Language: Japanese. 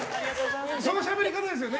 そのしゃべり方ですよね。